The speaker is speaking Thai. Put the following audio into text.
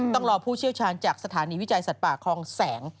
ต้องรอผู้เชี่ยวชาญจากสถานีวิจัยสัตว์ป่าคลองแสง